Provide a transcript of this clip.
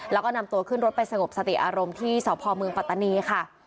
แล้วก็นำตัวขึ้นรถไปสงบสติอารมณ์ที่สพเมืองปัตตานีค่ะ